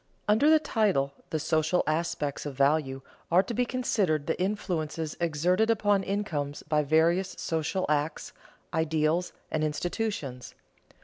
_Under the title "the social aspects of value" are to be considered the influences exerted upon incomes by various social acts, ideals, and institutions.